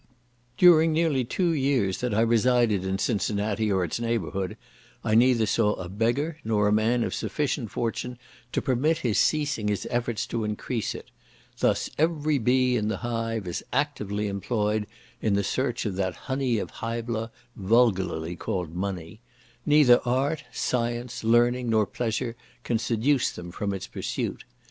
During nearly two years that I resided in Cincinnati, or its neighbourhood, I neither saw a beggar, nor a man of sufficient fortune to permit his ceasing his efforts to increase it; thus every bee in the hive is actively employed in search of that honey of Hybla, vulgarly called money; neither art, science, learning, nor pleasure can seduce them from its pursuit.